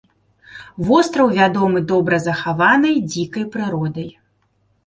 Востраў вядомы добра захаванай дзікай прыродай.